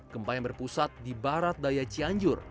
gempa yang berpusat di barat daya cianjur